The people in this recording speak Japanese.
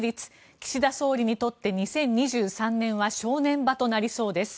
岸田総理にとって２０２３年は正念場となりそうです。